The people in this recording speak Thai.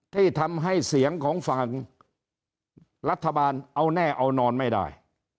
ที่ทำให้เสียงของฝั่งรัฐบาลเอาแน่เอานอนไม่ได้